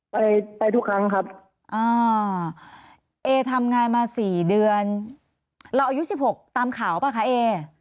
ไปไปทุกครั้งครับอ่าเอทำงานมาสี่เดือนเราอายุสิบหกตามข่าวป่ะคะเอ